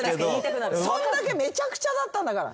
そんだけめちゃくちゃだったんだから。